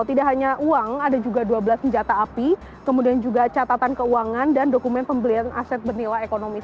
tidak hanya uang ada juga dua belas senjata api kemudian juga catatan keuangan dan dokumen pembelian aset bernilai ekonomis